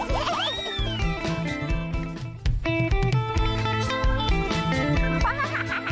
ย่าดาวข้าวอินยัง